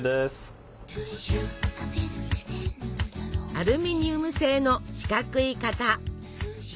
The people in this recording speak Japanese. アルミニウム製の四角い型！